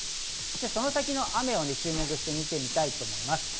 その先の雨に注目して見てみたいと思います。